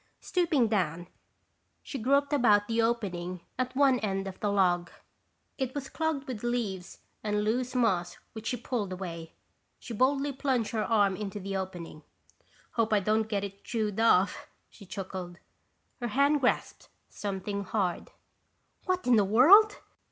Stooping down, she groped about the opening at one end of the log. It was clogged with leaves and loose moss which she pulled away. She boldly plunged her arm into the opening. "Hope I don't get it chewed off!" she chuckled. Her hand grasped something hard. "What in the world?"